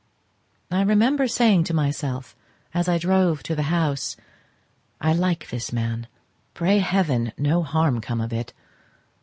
I remember saying to myself, as I drove to the house, "I like this man, pray Heaven no harm come of it!"